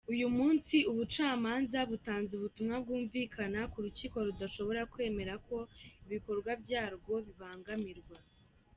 Uyu munsi ubucamanza butanze ubutumwa bwumvikana ko urukiko rudashobora kwemera ko ibikorwa byarwo bibangamirwa.